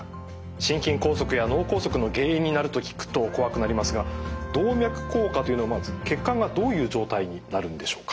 心筋梗塞や脳梗塞の原因になると聞くと怖くなりますが動脈硬化というのはまず血管がどういう状態になるんでしょうか？